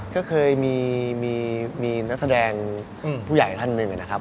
ก็เคยมีนักแสดงผู้ใหญ่ท่านหนึ่งนะครับ